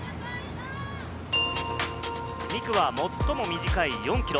２区は最も短い４ｋｍ。